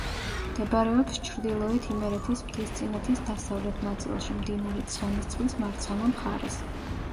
მდებარეობს ჩრდილოეთ იმერეთის მთისწინეთის დასავლეთ ნაწილში, მდინარე ცხენისწყლის მარცხენა მხარეს.